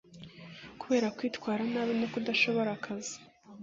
kubera kwitwara nabi no kudashobora akazi